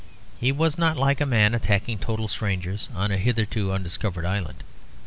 He was not like a man attacking total strangers on a hitherto undiscovered island.